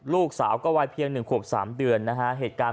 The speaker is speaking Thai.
ลูกสาวก็วายเพียง๑ขวบ๓เดือนนะฮะ